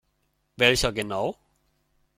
Welcher genau?